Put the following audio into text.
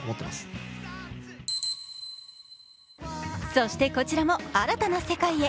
そしてこちらも新たな世界へ。